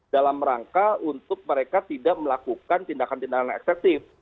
dalam rangka untuk mereka tidak melakukan tindakan tindakan ekseptif